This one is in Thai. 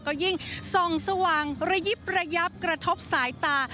ก็ยิ่งส่องสว่างระยิบระยับกระทบสายตา